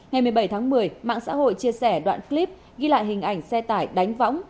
ngày một mươi bảy tháng một mươi mạng xã hội chia sẻ đoạn clip ghi lại hình ảnh xe tải đánh võng